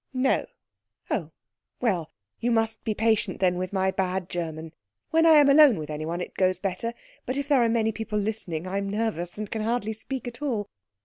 "No." "Oh, well, you must be patient then with my bad German. When I am alone with anyone it goes better, but if there are many people listening I am nervous and can hardly speak at all.